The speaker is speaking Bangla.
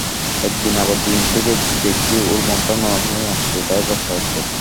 এখন আবার দুদিন থেকে দেখছি ওর মনটা নরম হয়ে আসছে, তাই ভরসা হচ্ছে।